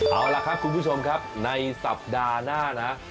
เอาล่ะครับคุณผู้ชมครับในสัปดาห์หน้านะ